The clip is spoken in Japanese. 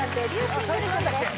シングル曲です